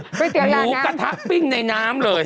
ผู้เตียบร้านน้ำหมูกระทะปิ้งในน้ำเลย